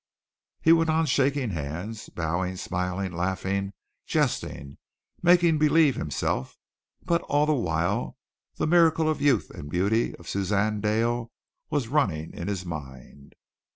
He went on shaking hands, bowing, smiling, laughing, jesting, making believe himself, but all the while the miracle of the youth and beauty of Suzanne Dale was running in his mind.